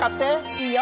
いいよ！